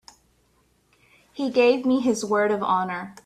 He gave me his word of honor.